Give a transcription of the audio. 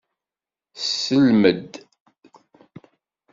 Slem-d!